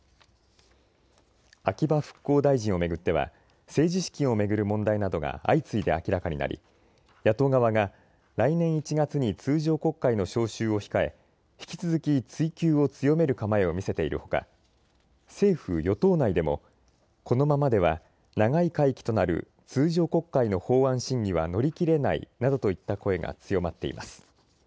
秋葉復興大臣を巡っては政治資金を巡る問題などが相次いで明らかになり野党側が来年１月に通常国会の召集を控え引き続き追及を強める構えを見せているほか、政府与党内でもこのままでは長い会期となる通常国会の法案審議は乗り切れないなどといった声が強まっています。